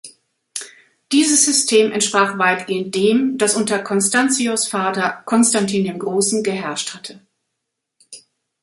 Dieses System entsprach weitgehend dem, das unter Constantius’ Vater Konstantin dem Großen geherrscht hatte.